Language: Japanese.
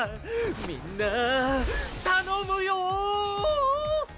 みんな頼むよ！！